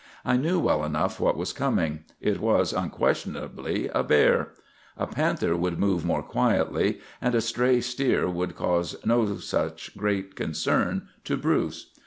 I knew well enough what was coming. It was unquestionably a bear. A panther would move more quietly; and a stray steer would cause no such great concern to Bruce.